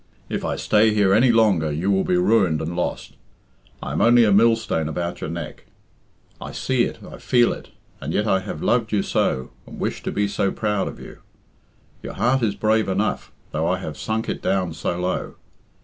If I stay here any longer you will be ruined and lost. I am only a millstone about your neck. I see it, I feel it. And yet I have loved you so, and wished to be so proud of you. Your heart is brave enough, though I have sunk it down so low.